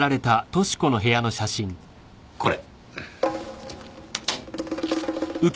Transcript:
これ。